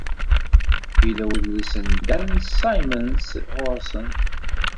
Yella wedlis n Dan Simmons ɣur-sen.